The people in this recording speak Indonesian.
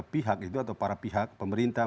pihak itu atau para pihak pemerintah